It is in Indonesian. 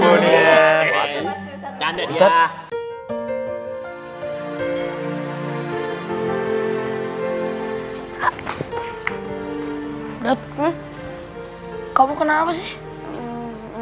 lihat kamu kenal apa sih